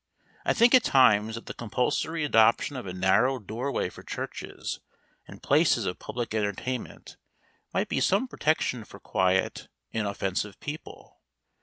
I think at times that the compulsory adoption of a narrow doorway for churches and places of public entertainment might be some protection for quiet, inoffensive people.